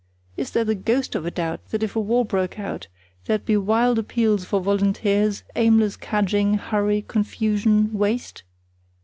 Is there the ghost of a doubt that if war broke out there'd be wild appeals for volunteers, aimless cadging, hurry, confusion, waste?